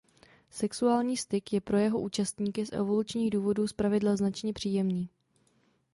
Sexuální styk je pro jeho účastníky z evolučních důvodů zpravidla značně příjemný.